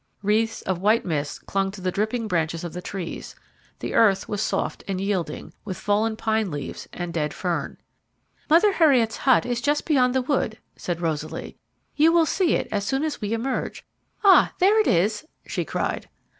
Wreaths of white mist clung to the dripping branches of the trees, the earth was soft and yielding, with fallen pine leaves and dead fern. "Mother Heriot's hut is just beyond the wood," said Rosaly; "you will see it as soon as we emerge. Ah! there it is," she cried.